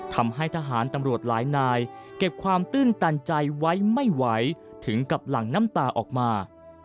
ทำให้ทหารตำรวจหลายนายเก็บความตื้นตันใจไว้ไม่ไหวถึงกับหลั่งน้ำตาออกมา